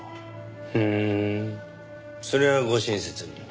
ふーんそれはご親切に。